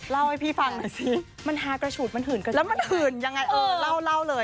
เล่าให้พี่ฟังหน่อยสิแล้วมันหืนยังไงเร่าเลย